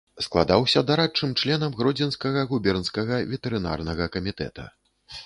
Складаўся дарадчым членам гродзенскага губернскага ветэрынарнага камітэта.